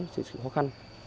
thực sự khó khăn